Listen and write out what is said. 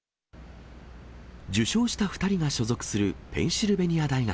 受賞した２人が所属するペンシルベニア大学。